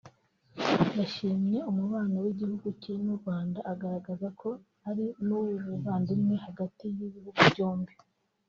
yashimye umubano w’igihugu cye n’u Rwanda agaragaza ko ari n’uw’ubuvandimwe hagati y’ibihugu byombi